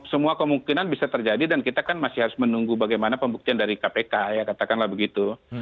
semua kemungkinan bisa terjadi dan kita kan masih harus menunggu bagaimana pembuktian dari kpk ya katakanlah begitu